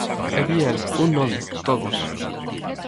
E di el: Un non, todos.